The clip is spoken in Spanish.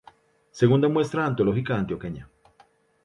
Segunda muestra antológica antioqueña.